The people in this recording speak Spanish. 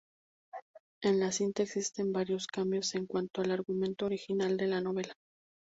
En la cinta existen varios cambios en cuanto al argumento original de la novela.